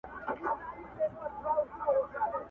او د بومي ارزښتونو سره